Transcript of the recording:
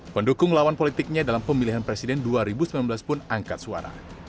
pendukung lawan politiknya dalam pemilihan presiden dua ribu sembilan belas pun angkat suara